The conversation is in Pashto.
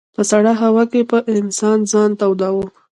په سړه هوا کې به انسان ځان توداوه.